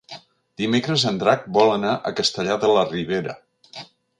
Dimecres en Drac vol anar a Castellar de la Ribera.